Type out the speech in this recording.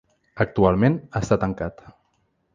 Actualment està tancat.